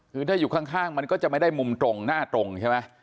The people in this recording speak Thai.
คือถ้าอยู่ข้างมันก็จะไม่ได้มุมตรงหน้าตรงใช่ไหม